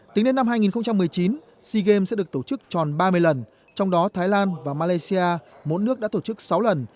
tính đến năm hai nghìn một mươi chín sea games sẽ được tổ chức tròn ba mươi lần trong đó thái lan và malaysia mỗi nước đã tổ chức sáu lần